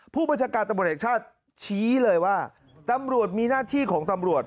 ผู้บัญชาการตำรวจแห่งชาติชี้เลยว่าตำรวจมีหน้าที่ของตำรวจ